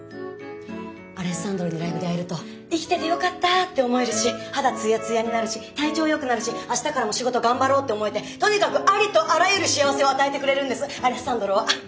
アレッサンドロにライブで会えると生きててよかったって思えるし肌つやつやになるし体調よくなるし明日からも仕事頑張ろうって思えてとにかくありとあらゆる幸せを与えてくれるんですアレッサンドロは。